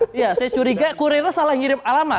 iya saya curiga kurirnya salah ngirim alamat